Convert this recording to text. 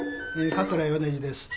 桂米二です。